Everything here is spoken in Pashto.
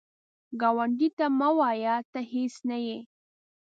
ګاونډي ته مه وایه “ته هیڅ نه یې”